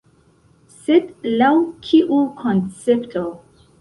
Sed laŭ kiu koncepto?